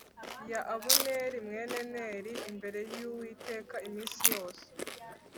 ya Abuneri mwene Neri, imbere y’Uwiteka iminsi yose.